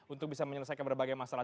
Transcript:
untuk bisa menyelesaikan berbagai masalah